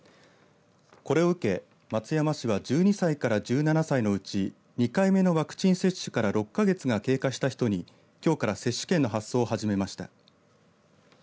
これを受け松山市は１２歳から１７歳のうち２回目のワクチン接種から６か月が経過した人にきょうから接種券の発送を始めました。